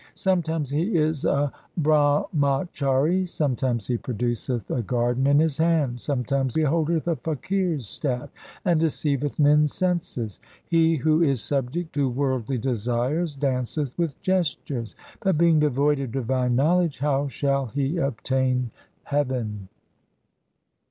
Sometimes he is a Brahmachari, sometimes he produceth a garden in his hand, sometimes he holdeth a fakir's staff and deceiveth men's senses. He who is subject to worldly desires danceth with gestures ; but being devoid of divine knowledge, how shall he obtain heaven